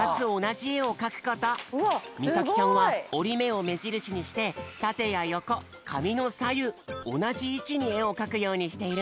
みさきちゃんはおりめをめじるしにしてたてやよこかみのさゆうおなじいちにえをかくようにしているんだって。